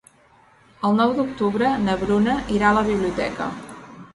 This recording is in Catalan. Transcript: El nou d'octubre na Bruna irà a la biblioteca.